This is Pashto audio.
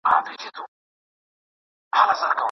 ما د خپل قسمت پر فیصلو شکر ایستلی.